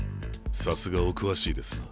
さすがお詳しいですな。